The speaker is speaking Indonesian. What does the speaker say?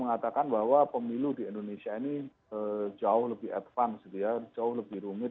dan mereka memuji bagaimana pemilu di indonesia ini jauh lebih advance gitu ya jauh lebih rumit